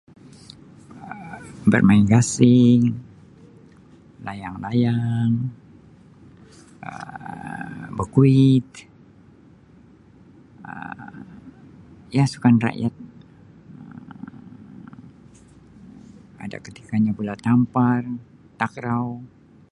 Um Bermain gasing, layang-layang Um berkuit Um [unintelligible] sukan rakyat ada ketikanya bola tampar takraw.